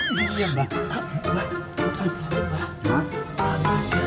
mbak apa tadi mbak